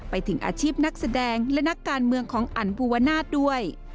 ไปถึงอาชีพนักแสดงและนักการเมืองของอันภูวนาศด้วย